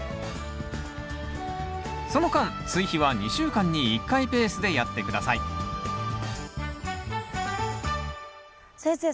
その間追肥は２週間に１回ペースでやって下さい先生